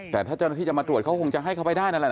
แต่ถ้าเจ้าหน้าที่จะมาตรวจเขาคงจะให้เขาไปได้นั่นแหละ